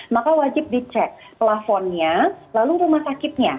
maka wajib dicek plafonnya lalu rumah sakitnya